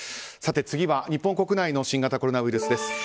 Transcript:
次は、日本国内の新型コロナウイルスです。